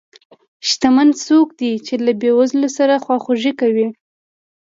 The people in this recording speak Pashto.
شتمن څوک دی چې له بې وزلو سره خواخوږي کوي.